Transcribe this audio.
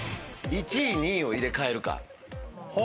１位２位を入れ替えるか。